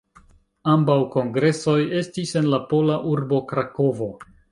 Ambaŭ kongresoj estis en la pola urbo Krakovo.